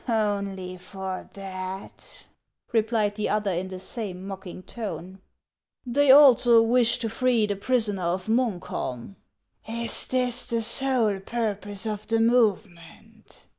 " Only for that ?" replied the other in the same mock ing tone. " They also wish to free the prisoner of Munkholm." " Is this the sole purpose of the movement